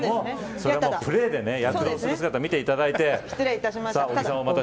それはプレーで躍動する姿を見ていただいて。